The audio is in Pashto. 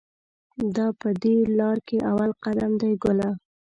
دا په دې لار کې اول قدم دی ګله.